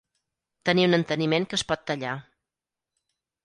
Tenir un enteniment que es pot tallar.